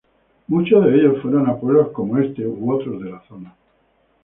Muchos de ellos fueron a pueblos como este u otros de la zona.